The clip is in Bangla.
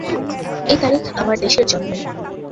এই তারিখ আমার দেশের জন্মের।